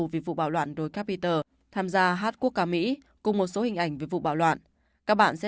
vì vụ bạo loạn đối capita tham gia hát quốc ca mỹ cùng một số hình ảnh về vụ bạo loạn